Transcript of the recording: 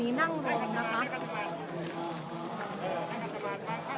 มีผู้ที่ได้รับบาดเจ็บและถูกนำตัวส่งโรงพยาบาลเป็นผู้หญิงวัยกลางคน